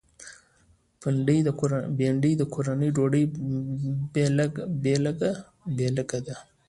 بېنډۍ د کورني ډوډۍ بېلګه ده